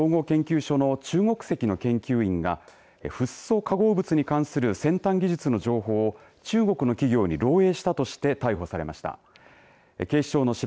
産業技術総合研究所の中国籍の研究員がフッ素化合物に関する先端技術の情報を中国の企業に漏えいしたとして逮捕されました。